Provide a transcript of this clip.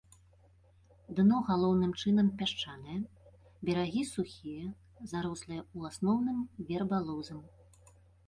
Дно галоўным чынам пясчанае, берагі сухія, зарослыя ў асноўным вербалозам.